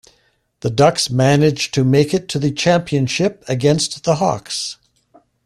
The Ducks manage to make it to the championship against the Hawks.